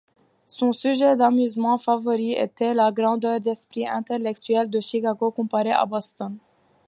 Son sujet d'amusement favori était la grandeur d'esprit intellectuelle de Chicago comparée à Boston.